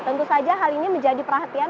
tentu saja hal ini menjadi perhatian